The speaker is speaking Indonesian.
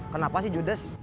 kenapa sih judas